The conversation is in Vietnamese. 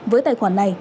với tài khoản này